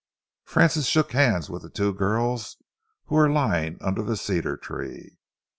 Francis shook hands with the two girls who were lying under the cedar tree.